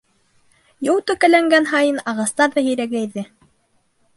Юл текәләнгән һайын, ағастар ҙа һирәгәйҙе.